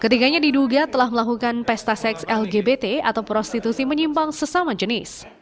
ketiganya diduga telah melakukan pesta seks lgbt atau prostitusi menyimpang sesama jenis